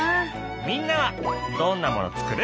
みんなはどんなもの作る？